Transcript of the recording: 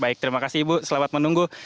baik terima kasih ibu selamat menunggu